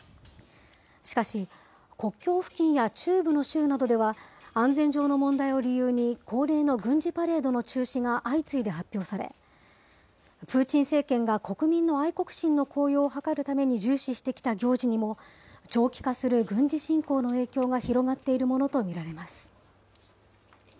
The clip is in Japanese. しかし、国境付近や中部の州などでは、安全上の問題を理由に恒例の軍事パレードの中止が相次いで発表され、プーチン政権が国民の愛国心の高揚を図るために重視してきた行事にも、長期化する軍事侵攻の影響が広がっているものと見られます。